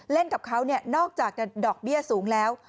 เล่นกับเขานี่นอกจากยังดอกเบี้ยสูงแล้ว